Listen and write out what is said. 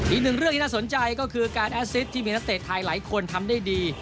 อีกหนึ่งเรื่องที่น่าสนใจก็คือการแอดซิตที่มีนักเตะไทยหลายคนทำได้ดี